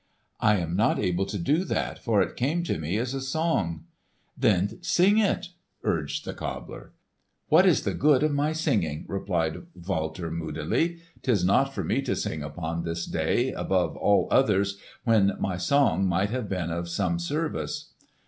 "I am not able to do that, for it came to me as a song." "Then sing it," urged the cobbler. "What is the good of my singing?" replied Walter moodily. "'Tis not for me to sing upon this day above all others when my song might have been of some service."